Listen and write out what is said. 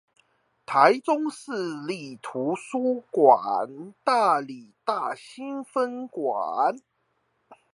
臺中市立圖書館大里大新分館